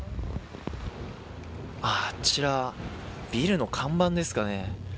あちら、ビルの看板ですかね。